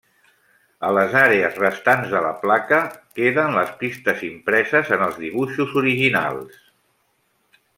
A les àrees restants de la placa queden les pistes impreses en els dibuixos originals.